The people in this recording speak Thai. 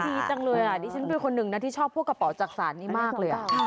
ดีจังเลยอ่ะดิฉันเป็นคนหนึ่งนะที่ชอบพวกกระเป๋าจักษานนี้มากเลย